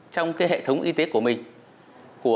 trong cái hệ thống y tế của mình